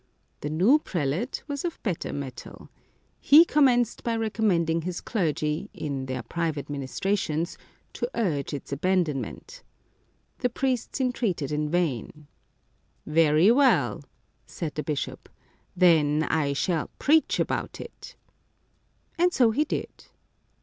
The new prelate was of better metal. He commenced by recommending his clergy, in their private ministra tions, to urge its abandonment. The priests en treated in vain. "Very well," said the bishop, "then I shall preach about it." And so he did.